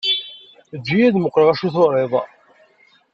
Eǧǧ-iyi ad muqqleɣ acu turiḍ.